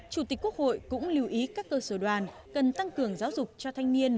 chủ tịch quốc hội cũng lưu ý các cơ sở đoàn cần tăng cường giáo dục cho thanh niên